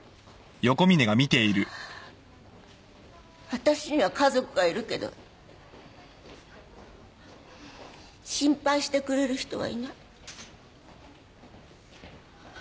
私には家族がいるけど心配してくれる人はいない。